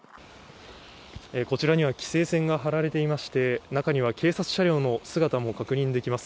こちらには規制線が張られていまして中には、警察車両も確認できます。